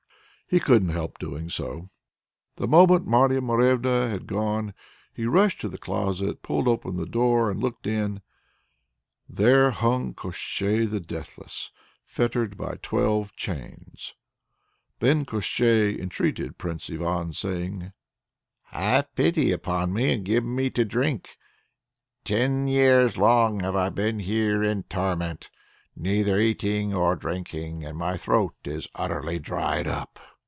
He couldn't help doing so. The moment Marya Morevna had gone he rushed to the closet, pulled open the door, and looked in there hung Koshchei the Deathless, fettered by twelve chains. Then Koshchei entreated Prince Ivan, saying, "Have pity upon me and give me to drink! Ten years long have I been here in torment, neither eating or drinking; my throat is utterly dried up."